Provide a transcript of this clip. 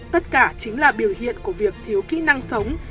tất cả chính là biểu hiện của việc thiếu kỹ năng sống